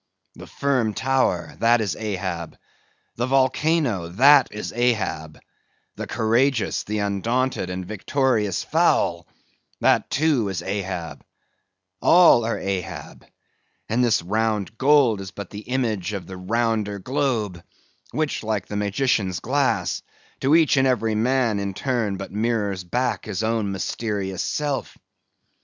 The firm tower, that is Ahab; the volcano, that is Ahab; the courageous, the undaunted, and victorious fowl, that, too, is Ahab; all are Ahab; and this round gold is but the image of the rounder globe, which, like a magician's glass, to each and every man in turn but mirrors back his own mysterious self.